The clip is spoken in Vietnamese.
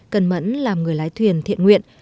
cần mẫn làm người lái thuyền thiện nguyện